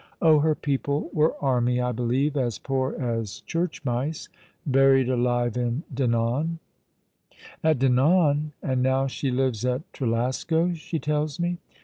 " Oh, her people were army, I believe — as poor as church mice — buried alive in Dinan." " At Dinan — and now she lives at Trelasco, she tells me.